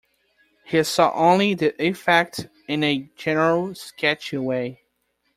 He saw only the effect in a general, sketchy way.